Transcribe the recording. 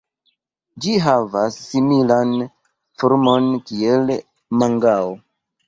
Ĝi havas similan formon kiel mangao.